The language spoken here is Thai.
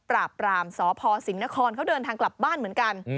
ปราบปรามสพสิงห์นครเขาเดินทางกลับบ้านเหมือนกัน